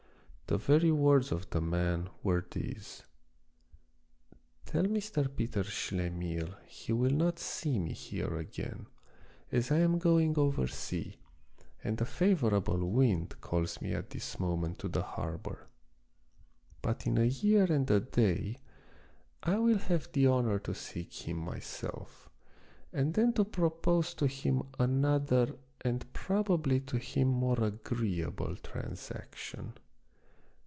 The very words of the man were these :' Tell Mr. Peter Schlemihl he will not see me here again, as I am going over sea, and a favorable wind calls me at this moment 24 The Wonderful History to the harbor. But in a year and a day I will have the honor to seek him myself, and then to propose to him another and probably to him more agreeable transaction.